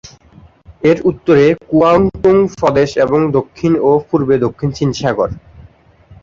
এর উত্তরে কুয়াংতুং প্রদেশ এবং দক্ষিণ ও পূর্বে দক্ষিণ চীন সাগর।